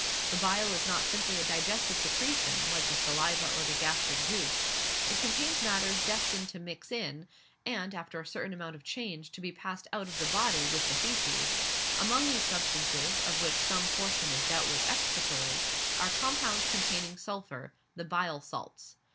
The bile is not simply a digestive secretion, like the saliva or the gastric juice; it contains matters destined to mix in, and after a certain amount of change to be passed out of the body with, the faeces; among these substances, of which some portion is doubtless excretory, are compounds containing sulphur the bile salts.